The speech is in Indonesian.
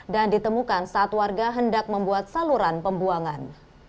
dan ditemukan saat warga hendak membuat saluran pembuangan